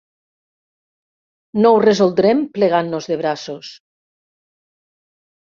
No ho resoldrem plegant-nos de braços.